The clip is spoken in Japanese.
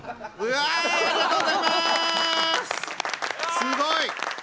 すごい！